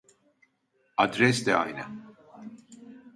Adres de aynı